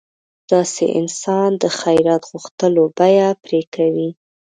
داسې انسان د خیرات غوښتلو بیه پرې کوي.